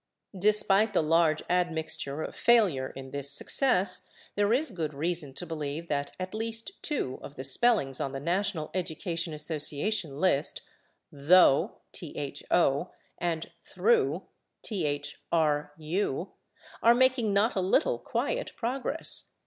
Despite the large admixture of failure in this success there is good reason to believe that at least two of the spellings on the National Education Association list, /tho/ and /thru/, are making not a little quiet progress.